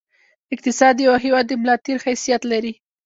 اقتصاد د یوه هېواد د ملا د تېر حیثیت لري.